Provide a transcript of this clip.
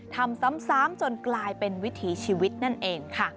ทำซ้ำจนกลายเป็นวิถีชีวิตนั่นเองค่ะ